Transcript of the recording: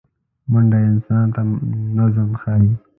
منډه انسان ته نظم ښيي